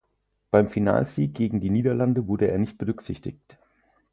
Beim Finalsieg gegen die Niederlande wurde er nicht berücksichtigt.